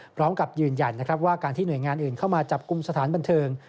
พร้อมกับยืนยันว่าการที่หน่วยงานอื่นเข้ามาจับกลุ่มสถานบันเทิง